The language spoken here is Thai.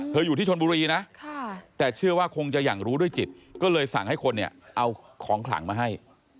อยู่ที่ชนบุรีนะแต่เชื่อว่าคงจะอย่างรู้ด้วยจิตก็เลยสั่งให้คนเนี่ยเอาของขลังมาให้